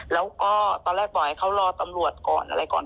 แล้วก็ตอนแรกบอกให้เขารอตำรวจก่อนอะไรก่อน